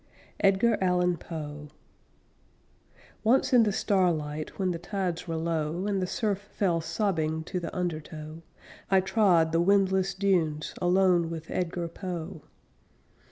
EDGAR ALLAN POE Once in the starlight When the tides were low, And the surf fell sobbing To the undertow, I trod the windless dunes Alone with Edgar Poe.